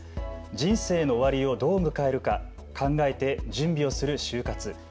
人生の終わりをどう迎えるか考えて準備をする終活。